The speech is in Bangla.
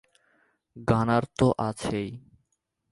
গানার তো আছেই।